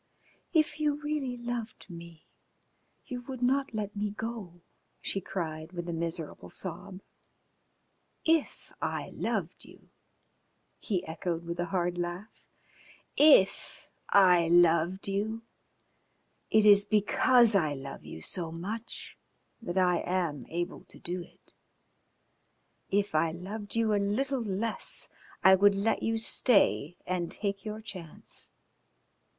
"If you really loved me you would not let me go," she cried, with a miserable sob. "If I loved you?" he echoed, with a hard laugh. "If I loved you! It is because I love you so much that I am able to do it. If I loved you a little less I would let you stay and take your chance."